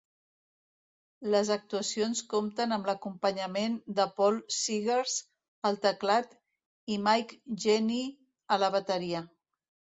Les actuacions compten amb l'acompanyament de Paul Seegers al teclat i Mike Jenney a la bateria.